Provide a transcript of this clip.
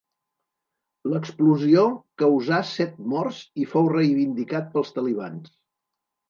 L'explosió causà set morts i fou reivindicat pels talibans.